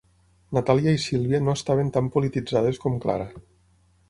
Natalia i Sílvia no estaven tan polititzades com Clara.